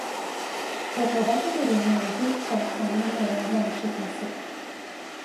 رقابت برونمرزی کارخانه ما را ورشکسته کرد.